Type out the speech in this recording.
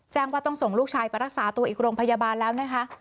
ว่าต้องส่งลูกชายไปรักษาตัวอีกโรงพยาบาลแล้วนะคะ